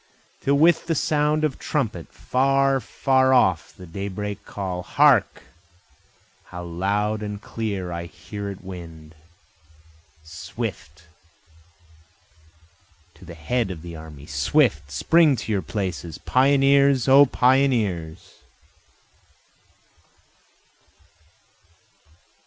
Till with sound of trumpet, Far, far off the daybreak call hark! how loud and clear I hear it wind, Swift! to the head of the army! swift! spring to your places, Pioneers! O pioneers!